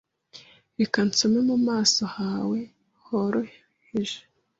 Reka nsome mu maso hawe horoheje